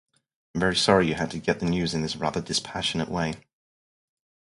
I'm very sorry you had to get the news in this rather dispassionate way.